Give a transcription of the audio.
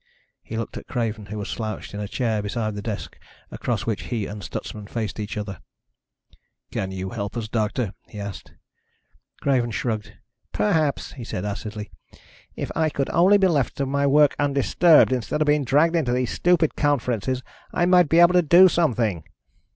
He looked at Craven, who was slouched in a chair beside the desk across which he and Stutsman faced each other. "Can you help us, doctor?" he asked. Craven shrugged. "Perhaps," he said acidly. "If I could only be left to my work undisturbed, instead of being dragged into these stupid conferences, I might be able to do something."